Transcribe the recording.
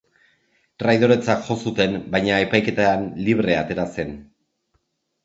Traidoretzat jo zuten baina epaiketan libre atera zen.